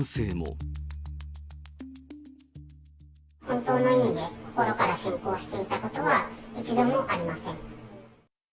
本当の意味で、心から信仰していたことは一度もありません。